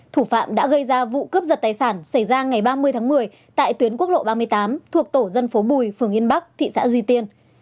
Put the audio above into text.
thủ phạm đã gây ra vụ cướp giật tài sản xảy ra ngày ba mươi tháng một mươi tại tuyến quốc lộ ba mươi tám thuộc tổ dân phố bùi phường yên bắc thị xã duy tiên